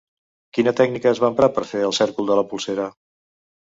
Quina tècnica es va emprar per fer el cèrcol de la polsera?